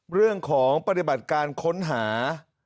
เรื่องของปฏิบัติการค้นหา